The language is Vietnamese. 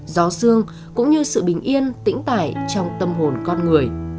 gió sương cũng như sự bình yên tĩnh tải trong tâm hồn con người